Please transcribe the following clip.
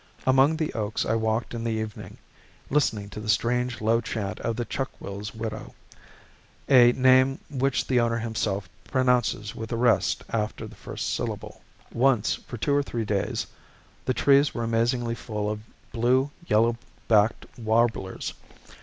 Among the oaks I walked in the evening, listening to the strange low chant of the chuck will's widow, a name which the owner himself pronounces with a rest after the first syllable. Once, for two or three days, the trees were amazingly full of blue yellow backed warblers.